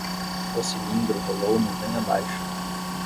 O cilindro rolou montanha abaixo